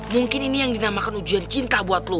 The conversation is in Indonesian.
mungkin ini yang dinamakan ujian cinta buat lo